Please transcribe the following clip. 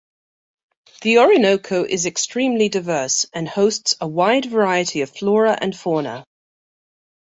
The Orinoco is extremely diverse and hosts a wide variety of flora and fauna.